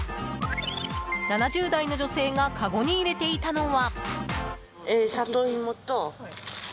７０代の女性がかごに入れていたのは。